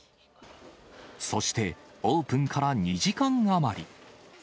そして、オープンから２時間余り。